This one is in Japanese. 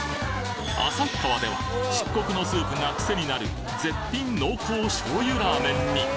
旭川では漆黒のスープがクセになる絶品濃厚醤油ラーメンに！